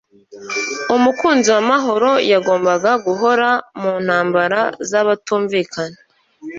Umukunzi w’amahoro yagombaga guhora mu ntambara z’abatumvikana,